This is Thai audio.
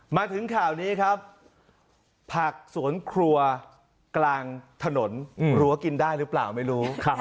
มาถึงข่าวนี้ครับผักสวนครัวกลางถนนรั้วกินได้หรือเปล่าไม่รู้